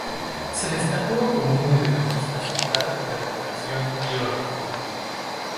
Se destacó como un mediocampista central de recuperación y orden.